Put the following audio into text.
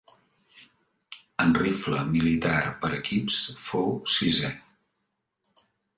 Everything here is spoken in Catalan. En rifle militar per equips fou sisè.